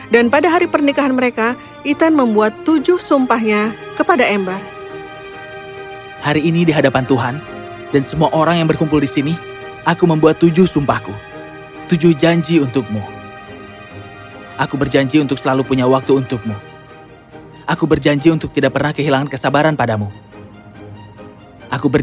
dan pada hari pernikahan mereka ethan membuat tujuh sumpahnya kepada ember